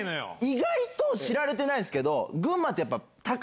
意外と知られてないんすけど群馬って。